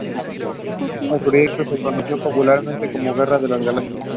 El proyecto es conocido popularmente como "Guerra de las Galaxias".